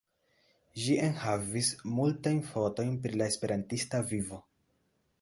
Ĝi enhavis multajn fotojn pri la Esperantista vivo.